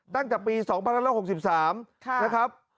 ตั้งเปียน๒๐๒๓นะครับ